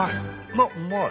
あっうまい！